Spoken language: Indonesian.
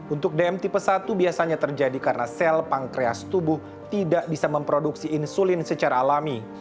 untuk dm tipe satu biasanya terjadi karena sel pankreas tubuh tidak bisa memproduksi insulin secara alami